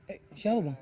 eh siapa bang